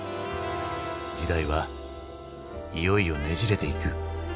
時代はいよいよねじれていく。